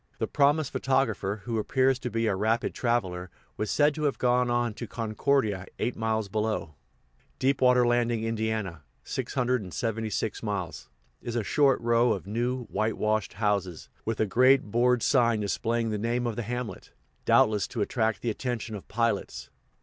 The promised photographer, who appears to be a rapid traveler, was said to have gone on to Concordia, eight miles below. Deep Water Landing, Ind. (676 miles), is a short row of new, whitewashed houses, with a great board sign displaying the name of the hamlet, doubtless to attract the attention of pilots.